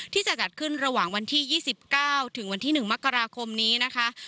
ที่จะจัดขึ้นระหว่างวันที่๒๙ถึงวันที่๑มกราคมนี้นะคะ